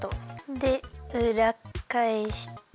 でうらっかえして。